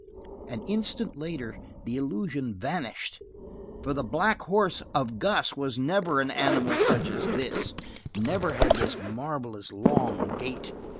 An instant later the illusion vanished, for the black horse of Gus was never an animal such as this, never had this marvelous, long gait.